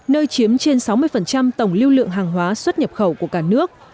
nơi chiếm trên sáu mươi tổng lưu lượng hàng hóa xuất nhập khẩu của cả nước